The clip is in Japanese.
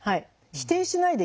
否定しないで聞く。